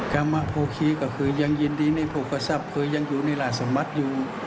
กามพพลคี้ก็คือยังยินดีในพวกสัพยังอยู่ในหลายสมัตย์อยู่